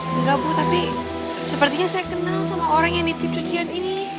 enggak bu tapi sepertinya saya kenal sama orang yang nitip cucian ini